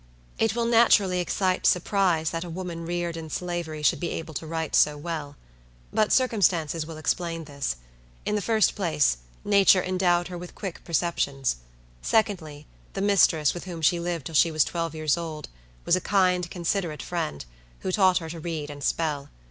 It will naturally excite surprise that a woman reared in Slavery should be able to write so well. But circumstances will explain this. In the first place, nature endowed her with quick perceptions. Secondly, the mistress, with whom she lived till she was twelve years old, was a kind, considerate friend, who taught her to read and spell.